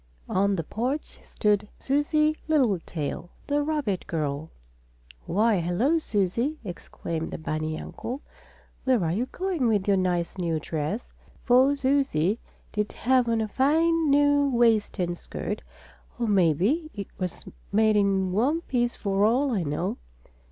On the porch stood Susie Littletail, the rabbit girl. "Why, hello Susie!" exclaimed the bunny uncle. "Where are you going with your nice new dress?" for Susie did have on a fine new waist and skirt, or maybe it was made in one piece for all I know.